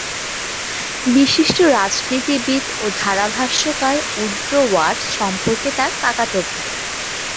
বিশিষ্ট রাজনীতিবিদ ও ধারাভাষ্যকার উড্রো ওয়াট সম্পর্কে তার কাকাতো ভাই।